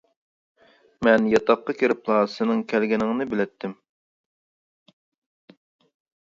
مەن ياتاققا كىرىپلا سېنىڭ كەلگىنىڭنى بىلەتتىم.